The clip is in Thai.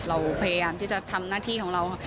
เราพยายามที่จะทำหน้าที่ของเรา